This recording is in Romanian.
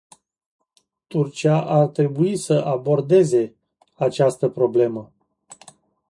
Turcia ar trebui să abordeze această problemă.